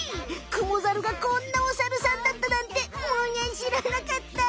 クモザルがこんなおサルさんだったなんてむーにゃんしらなかった。